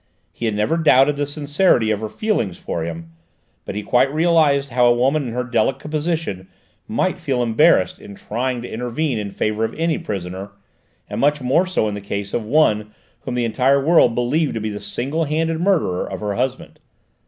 He had never doubted the sincerity of her feelings for him, but he quite realised how a woman in her delicate position might feel embarrassed in trying to intervene in favour of any prisoner, and much more so in the case of the one whom the entire world believed to be the single handed murderer of her husband.